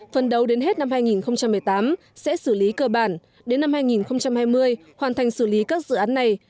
phần đầu đến hết năm hai nghìn một mươi tám sẽ xử lý cơ bản đến năm hai nghìn hai mươi hoàn thành xử lý các dự án này